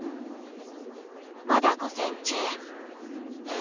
まだ午前中。